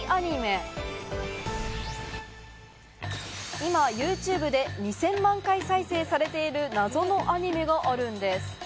今、ＹｏｕＴｕｂｅで２０００万回再生されている謎のアニメがあるんです。